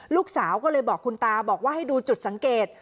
ลูกสาวก็เลยบอกคุณตาบอกว่าให้ดูจุดสังเกต